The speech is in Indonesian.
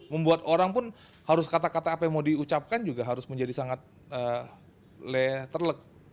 membuat orang pun harus kata kata apa yang mau diucapkan juga harus menjadi sangat terlek